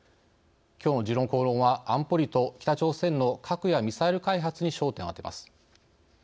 きょうの「時論公論」は安保理と北朝鮮の核やミサイル開発に焦点を当てます。